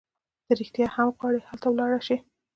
ته رېښتیا هم غواړي هلته ولاړه شې؟